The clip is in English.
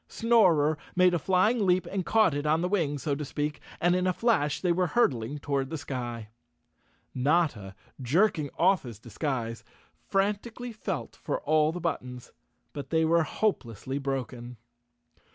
Snorer made a flying leap and caught it on the wing, so to speak, and in a flash they were hurtling toward the sky. Notta, jerking oft his disguise, frantically felt for all the buttons, but they were hopelessly broken.